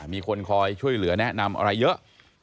มีคนคอยช่วยเหลือแนะนำอะไรเยอะ